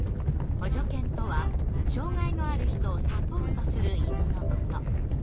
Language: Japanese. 補助犬とは障害のある人をサポートする犬のこと。